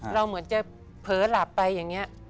เหมือนจะเผลอหลับไปอย่างนี้